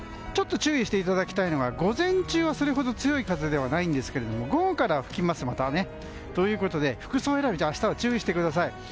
注意していただきたいのは午前中はそれほど強い風ではないんですけれども午後からまた吹きます。ということで、服装選びには明日は注意してください。